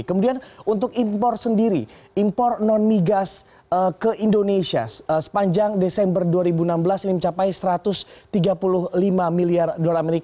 kemudian untuk impor sendiri impor non migas ke indonesia sepanjang desember dua ribu enam belas ini mencapai satu ratus tiga puluh lima miliar dolar amerika